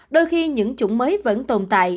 đôi khi những chủng mới vẫn tồn tại